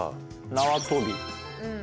縄跳び？